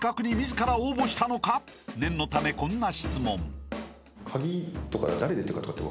［念のためこんな質問］